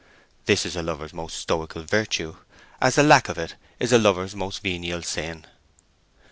This is a lover's most stoical virtue, as the lack of it is a lover's most venial sin.